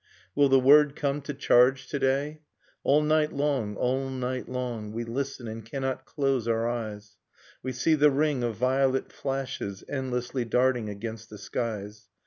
Will the word come to charge to day ?... All night long, all night long, We listen and cannot close our eyes, We see the ring of violet flashes Endlessly darting against the skies.